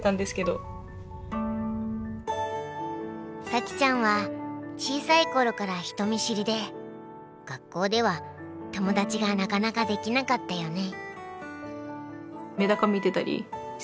咲ちゃんは小さい頃から人見知りで学校では友達がなかなかできなかったよね。